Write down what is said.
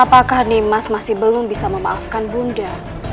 apakah nimas masih belum bisa memaafkan bunda